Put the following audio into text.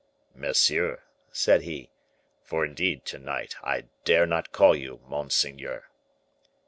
"Monsieur," said he, "for indeed to night I dare not call you monseigneur."